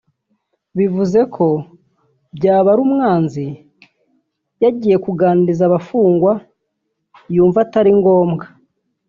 bivuze ko Byabarumwanzi yagiye kuganiriza abafungwa yumva atari ngombwa